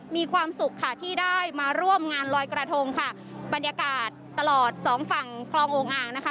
มีความสุขค่ะที่ได้มาร่วมงานลอยกระทงค่ะบรรยากาศตลอดสองฝั่งคลองโอ่งอ่างนะคะ